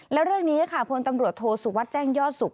แล้วเรื่องนี้ค่ะพลตำรวจโทษสุวัสดิ์แจ้งยอดสุข